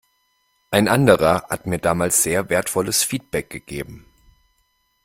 Ein anderer hat mir damals sehr wertvolles Feedback gegeben.